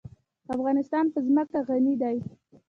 افغانستان په ځمکه غني دی.